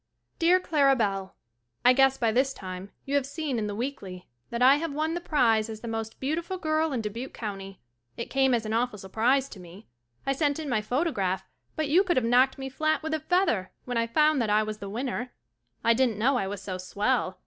DEAR CLARA BELL: I guess by this time, you have seen in "The Weekly" that I have won the prize as the most beautifull girl in Dubuque county. It came as an awful surprise to me. I sent in my photograph but you could of knocked me flat with a feather when I found that I was the winner. I didn't know I was so swell.